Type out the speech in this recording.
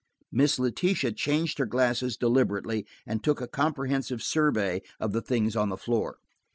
Miss Letitia changed her glasses deliberately, and took a comprehensive survey of the things on the floor.